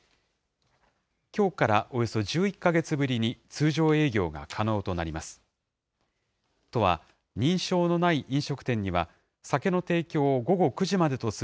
きょうからおよそ１１か月ぶりに通常営業が可能となります。